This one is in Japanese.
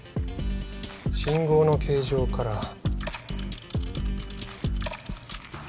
信号の形状から。